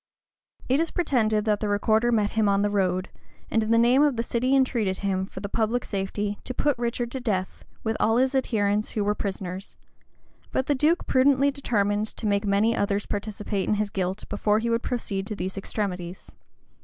It is pretended that the recorder met him on the road, and in the name of the city entreated him, for the public safety, to put Richard to death, with all his adherents who were prisoners; but the duke prudently determined to make many others participate in his guilt, before he would proceed to these extremities.